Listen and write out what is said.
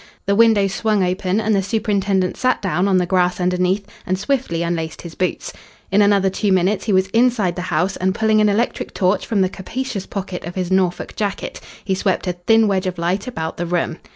The window swung open, and the superintendent sat down on the grass underneath and swiftly unlaced his boots. In another two minutes he was inside the house, and pulling an electric torch from the capacious pocket of his Norfolk jacket, he swept a thin wedge of light about the room.